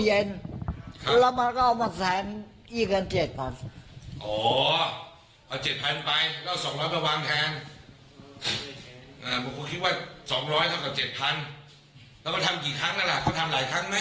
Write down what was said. แล้วก็ทำกี่ครั้งเนี่ยล่ะหรือหลายครั้งนะครับ